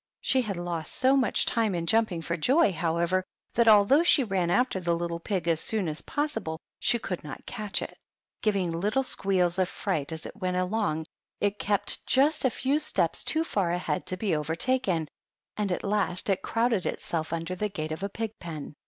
She had lost so much time in jumping for joy, however, that although she ran after the little pig as soon as possible, she could not catch it. Giving little PEGOY THE PIG. squeals of fright as it went along, it kept jnst a few steps too far ahead to be overtaken, and at last it crowded itself under the gate of a pig pen.